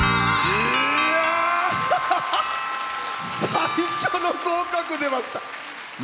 最初の合格出ました！